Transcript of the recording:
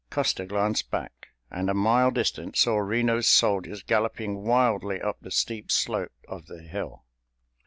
Custer glanced back, and a mile distant saw Reno's soldiers galloping wildly up the steep slope of the hill.